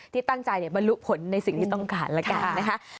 ที่ตั้งใจบรรลุผลในสิ่งที่ต้องการแล้วกันนะคะ